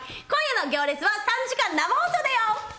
今夜の行列は、３時間生放送だよ。